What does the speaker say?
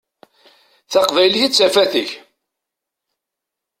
D taqbaylit i d tafat-ik.